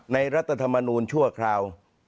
รัฐธรรมนูญชั่วคราว